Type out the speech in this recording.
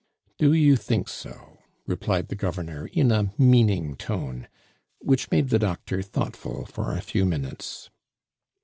"Do you think so?" replied the governor in a meaning tone, which made the doctor thoughtful for a few minutes.